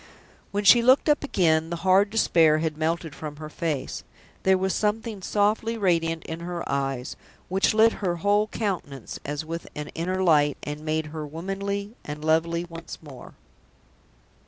When she looked up again, the hard despair had melted from her face. There was something softly radiant in her eyes, which lit her whole countenance as with an inner light, and made her womanly and lovely once more.